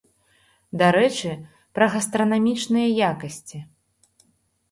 Дарэчы, пра гастранамічныя якасці.